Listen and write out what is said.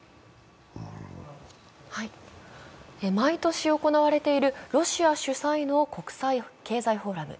毎年行われているロシア主催の国際経済フォーラム。